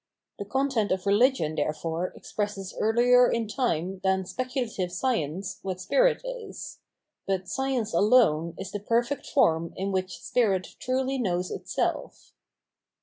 The content of religion therefore expresses earlier in time than speculative science what spirit is ; but scienc alone is the perfect form in which spirit trulv knows itself.